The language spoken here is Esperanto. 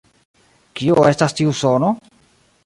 Kio estas tiu sono?